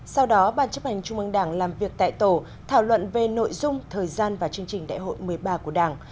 sau đó ban chấp hành trung ương đảng làm việc tại tổ thảo luận về nội dung thời gian và chương trình đại hội một mươi ba của đảng